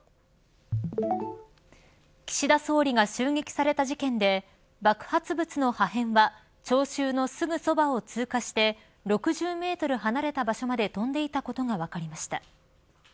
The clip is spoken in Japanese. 岸田総理が襲撃された事件で爆発物の破片は聴衆のすぐそばを通過して６０メートル離れた場所まで飛んでいたことが分かりました。